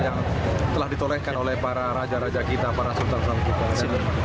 yang telah ditolehkan oleh para raja raja kita para sultan sultan kita di sini